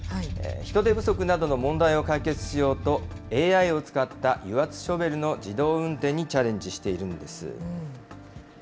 人手不足などの問題を解決しようと、ＡＩを使った油圧ショベルの自動運転にチャレンジしているんです。